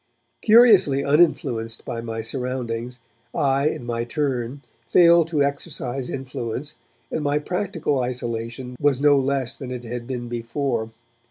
Curiously uninfluenced by my surroundings, I in my turn failed to exercise influence, and my practical isolation was no less than it had been before.